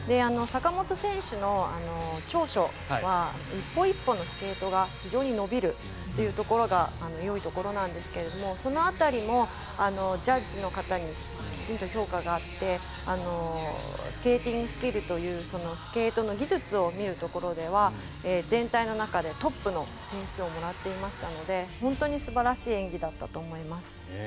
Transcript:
坂本選手の長所は１歩１歩のスケートが非常に伸びるところがいいところなんですけどその辺りもジャッジの方にきちんと評価があってスケーティングスキルというスケートの技術を見るところでは全体の中でトップの点数をもらっていましたので本当に素晴らしい演技だったと思います。